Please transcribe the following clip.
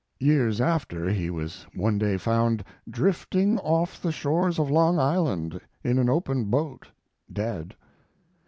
Years after he was one day found drifting off the shores of Long Island in an open boat, dead.